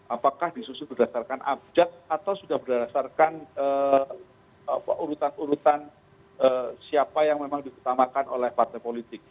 apakah disusun berdasarkan abjad atau sudah berdasarkan urutan urutan siapa yang memang diutamakan oleh partai politik